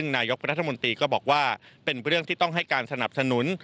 นายกรัฐมนตรีก็บอกว่าเป็นเรื่องที่ต้องให้การสนับสนุน